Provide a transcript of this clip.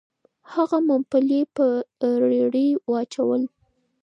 هغه ممپلي په رېړۍ واچول. .